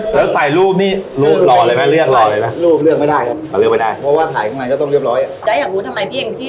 ก็อยากทรวจทำไมพี่เย็นจี้